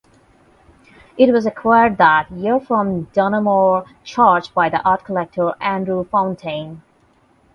It was acquired that year from Donoughmore Church by the art collector Andrew Fountaine.